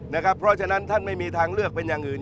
เพราะฉะนั้นท่านไม่มีทางเลือกเป็นอย่างอื่น